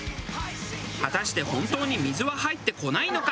果たして本当に水は入ってこないのか？